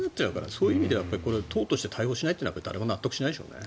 そういう意味では党として対応しないのは誰も納得しないでしょうね。